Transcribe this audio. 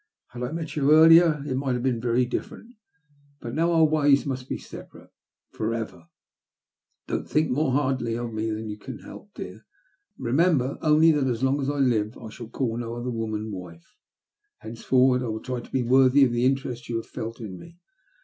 Had I met you earlier it might have been very different — but now our ways must be separate for ever. Don't think more hardly of me than you can help, dear. Bemember only that as long as I live I shall call no other woman wife. Henceforward I will try to be worthy of the interest you have felt in me.